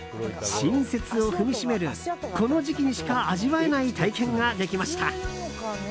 新雪を踏みしめるこの時期にしか味わえない体験ができました。